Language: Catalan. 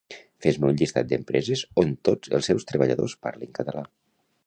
Fes-me un llistat d'empreses on tots els seus treballadors parlin català